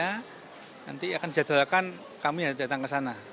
karena nanti akan dijadwalkan kami yang datang ke sana